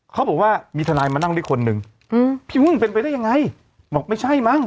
เขาบอกว่ามีทนายมานั่งด้วยคนหนึ่งอืมพี่บุ้งเป็นไปได้ยังไงบอกไม่ใช่มั้ง